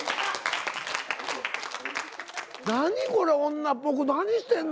何これ女っぽく何してんの？